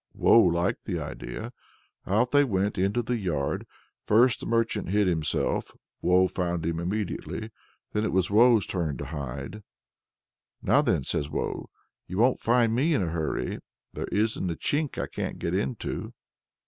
Woe liked the idea. Out they went into the yard. First the merchant hid himself; Woe found him immediately. Then it was Woe's turn to hide. "Now then," says Woe, "you won't find me in a hurry! There isn't a chink I can't get into!"